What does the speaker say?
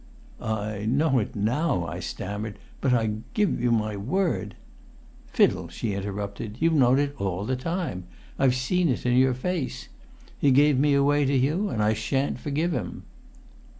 "I know it now," I stammered, "but I give you my word " "Fiddle!" she interrupted. "You've known it all the time. I've seen it in your face. He gave me away to you, and I shan't forgive him!"